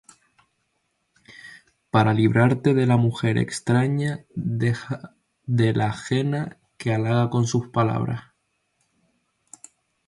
Para librarte de la mujer extraña, De la ajena que halaga con sus palabras;